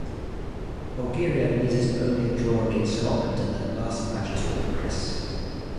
Bulgaria needed only a draw against Scotland in their last match to progress.